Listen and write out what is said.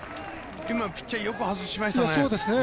ピッチャーよく外しましたね。